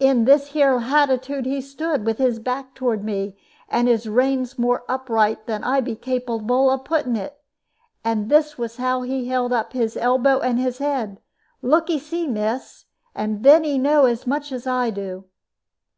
In this here hattitude he stood, with his back toward me, and his reins more upright than I be capable of putting it. And this was how he held up his elbow and his head. Look 'e see, miss, and then 'e know as much as I do."